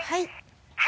はい。